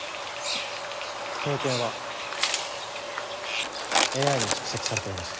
経験はＡＩに蓄積されています。